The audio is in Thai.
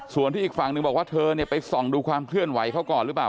ส่วนที่อีกฝั่งหนึ่งบอกว่าเธอไปส่องดูความเคลื่อนไหวเขาก่อนหรือเปล่า